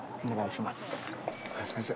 先生。